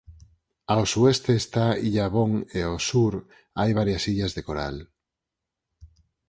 Ao sueste está Illa Bon e ao sur hai varias illas de coral.